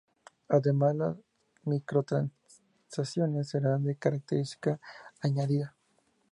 Además las microtransacciones será una característica añadida.